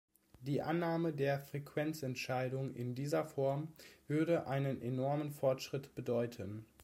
Die Annahme der Frequenzentscheidung in dieser Form würde einen enormen Fortschritt bedeuten.